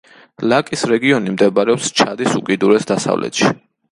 ლაკის რეგიონი მდებარეობს ჩადის უკიდურეს დასავლეთში.